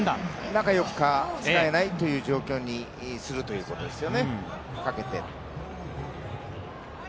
中４日使えないという状況にするということですよね。